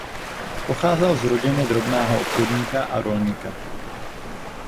Pocházel z rodiny drobného obchodníka a rolníka.